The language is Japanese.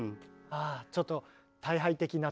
ああちょっとそう。